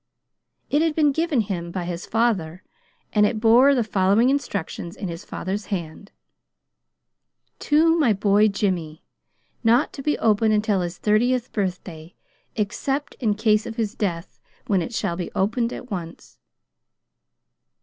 It had been given him by his father, and it bore the following instructions in his father's hand: "To my boy, Jimmy. Not to be opened until his thirtieth birthday except in case of his death, when it shall be opened at once."